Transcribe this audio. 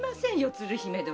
鶴姫殿。